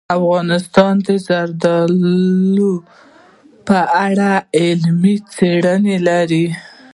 افغانستان د زردالو په اړه علمي څېړنې لري.